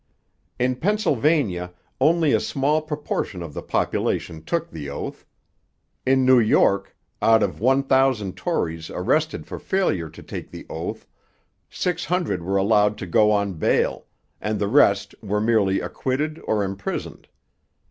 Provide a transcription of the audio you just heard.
In Pennsylvania only a small proportion of the population took the oath. In New York, out of one thousand Tories arrested for failure to take the oath, six hundred were allowed to go on bail, and the rest were merely acquitted or imprisoned.